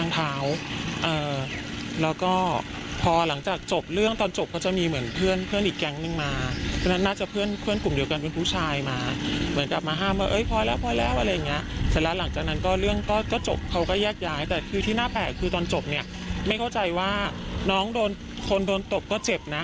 แต่ที่หน้าแผลคือจบไม่เข้าใจว่าน้องคนโดนตบก็เจ็บนะ